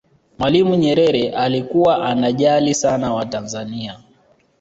mwalimu nyerere alikuwa anajali sana watanzania